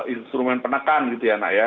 instrumen penekan gitu ya